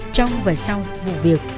trong và sau vụ việc